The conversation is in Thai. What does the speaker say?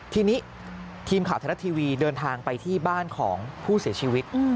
ทีนี้ทีมข่าวไทยรัฐทีวีเดินทางไปที่บ้านของผู้เสียชีวิต